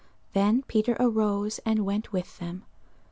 Then Peter arose and went with them.